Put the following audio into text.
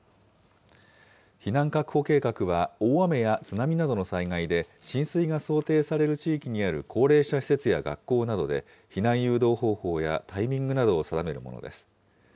避難確保計画は、大雨や津波などの災害で、浸水が想定される地域にある高齢者施設や学校などで、避難誘導方法やタイミングなどを定めるものです。